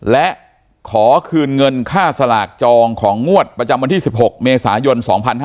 และขอคืนเงินค่าสลากจองของงวดประจำวันที่๑๖เมษายน๒๕๕๙